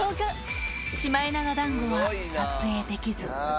シマエナガだんごは撮影できず。